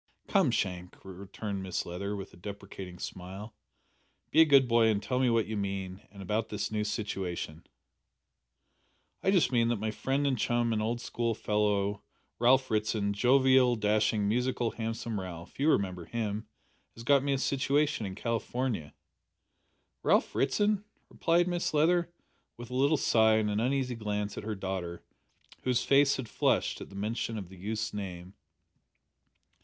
"Come, Shank," returned Mrs Leather, with a deprecating smile, "be a good boy and tell me what you mean and about this new situation." "I just mean that my friend and chum and old schoolfellow Ralph Ritson jovial, dashing, musical, handsome Ralph you remember him has got me a situation in California." "Ralph Ritson?" repeated Mrs Leather, with a little sigh and an uneasy glance at her daughter, whose face had flushed at the mention of the youth's name.